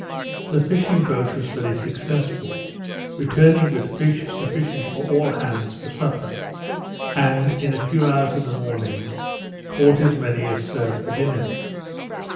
The fishing boat was very successful; returning with fish sufficient for all hands for supper; and, in a few hours in the morning, caught as many as served for dinner.